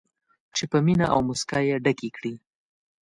چې په مینه او موسکا یې ډکې کړي.